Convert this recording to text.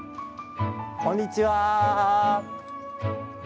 こんにちは。